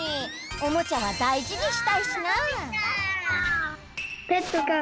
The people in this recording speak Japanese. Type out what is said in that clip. おもちゃはだいじにしたいしな。